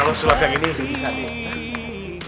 kalau sebagian gini bisa dihati